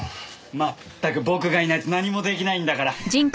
まったく僕がいないと何も出来ないんだから。